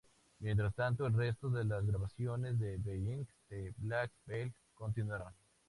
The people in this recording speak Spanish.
Mientras tanto, el resto de las grabaciones de Behind The Black Veil continuaron.